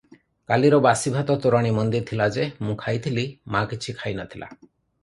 କାଲିର ବାସି ଭାତ ତୋରାଣି ମନ୍ଦିଏ ଥିଲା ଯେ ମୁଁ ଖାଇଥିଲି- ମାଆ କିଛି ଖାଇ ନଥିଲା ।